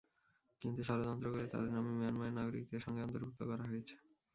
কিন্তু ষড়যন্ত্র করে তাঁদের নাম মিয়ানমারের নাগরিকদের সঙ্গে অন্তর্ভুক্ত করা হয়েছে।